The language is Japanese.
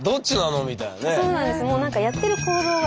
そうなんです。